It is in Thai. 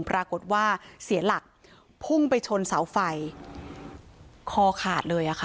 ปรากฏว่าเสียหลักพุ่งไปชนเสาไฟคอขาดเลยอ่ะค่ะ